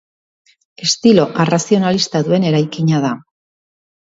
Estilo arrazionalista duen eraikina da.